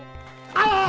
ああ。